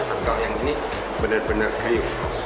kalau yang ini benar benar kriuk